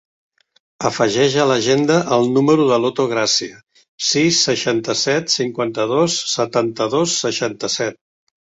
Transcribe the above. Afegeix a l'agenda el número de l'Oto Gracia: sis, seixanta-set, cinquanta-dos, setanta-dos, seixanta-set.